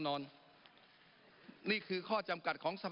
ปรับไปเท่าไหร่ทราบไหมครับ